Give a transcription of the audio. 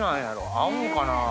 合うのかな？